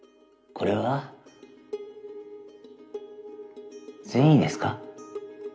これは善意ですか？